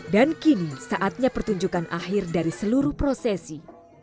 dan kini saatnya pertunjukan akhir dari seluruh prosesi